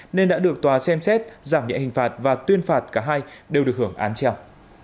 nên đã được tòa xem xét giảm nhẹ hình phạt và tuyên phạt cả hai đều được hưởng án treo